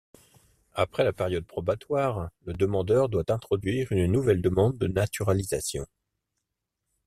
Après la période probatoire, le demandeur doit introduire une nouvelle demande de naturalisation.